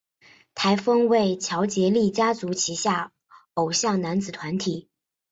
台风为乔杰立家族旗下偶像男子团体。